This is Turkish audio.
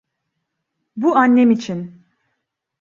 Bu annem için.